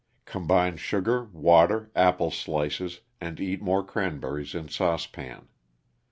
Combine sugar, water, apple slices and Eatmor Cranberries in saucepan.